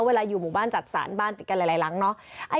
อยู่หมู่บ้านจัดสรรบ้านติดกันหลายหลังเนาะ